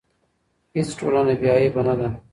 هیڅ ټولنه بې عیبه نه ده.